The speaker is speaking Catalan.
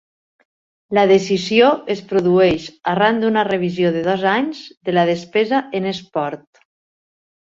La decisió és produeix arran d'una revisió de dos anys de la despesa en esports.